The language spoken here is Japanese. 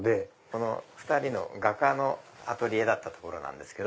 この２人の画家のアトリエだった所なんです。